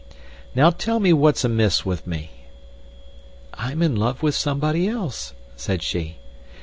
"Now tell me what's amiss with me?" "I'm in love with somebody else," said she.